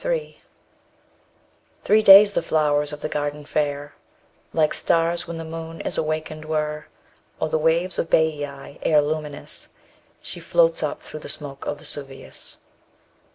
Three days the flowers of the garden fair, Like stars when the moon is awakened, were, Or the waves of Baiae, ere luminous She floats up through the smoke of Vesuvius.